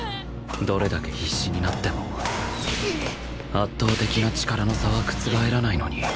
どれだけ必死になっても圧倒的な力の差は覆らないのに